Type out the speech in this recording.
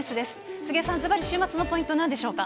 杉江さん、ずばり週末のポイント、なんでしょうか。